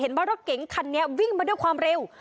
ว่ารถเก๋งคันนี้วิ่งมาด้วยความเร็ว